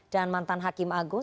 dan mantan hakim agung